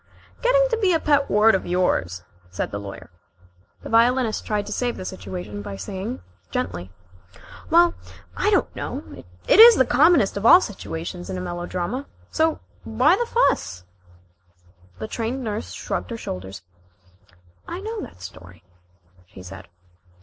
"Getting to be a pet word of yours," said the Lawyer. The Violinist tried to save the situation by saying gently: "Well, I don't know. It is the commonest of all situations in a melodrama. So why fuss?" The Trained Nurse shrugged her shoulders. "I know that story," she said.